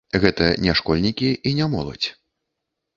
Гэта не школьнікі і не моладзь.